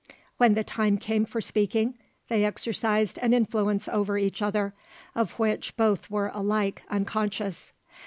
When the time came for speaking, they exercised an influence over each other, of which both were alike unconscious.